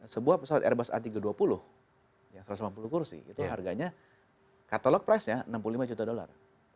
sebuah pesawat airbus a tiga ratus dua puluh yang satu ratus lima puluh kursi itu harganya katalog price nya enam puluh lima juta dolar